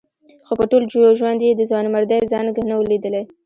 خو په ټول ژوند یې د ځوانمردۍ زنګ نه و لیدلی.